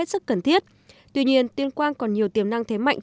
tình tuyên quang năm hai nghìn một mươi bảy